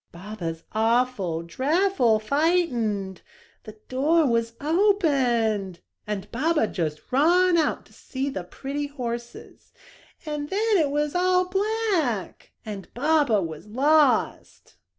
"Baba's awful, drefful fightened. The door was open and Baba did just run out to see the pretty horses and then it was all black and Baba was lost."